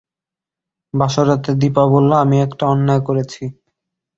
বাসর রাতে দিপা বলল, আমি একটা অন্যায় করেছি।